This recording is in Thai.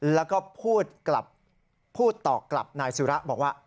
แล้วก็พูดกลับพูดต่อกลับนายสุระบอกว่า